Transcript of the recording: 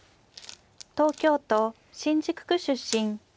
東京都新宿区出身。